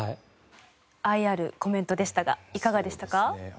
愛あるコメントでしたがいかがでしたか？